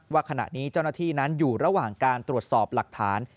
ว่าขณะนี้เจ้าหน้าที่นั้นอยู่ระหว่างการตรวจสอบหลักฐาน